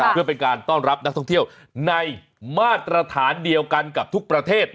เพื่อเป็นการต้อนรับนักท่องเที่ยวในมาตรฐานเดียวกันกับทุกประเทศ